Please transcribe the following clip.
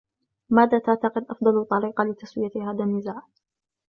ماذا تعتقد أفضل طريقة لتسوية هذا النزاع؟